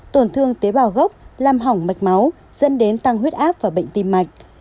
tổn thương tế bào gốc làm hỏng mạch máu dẫn đến tăng huyết áp và bệnh tim mạch